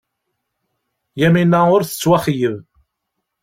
Yamina ur tettwaxeyyab.